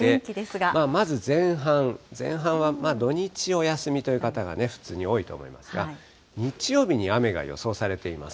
まず前半、前半は土日、お休みという方がね、普通に多いと思いますが、日曜日に雨が予想されています。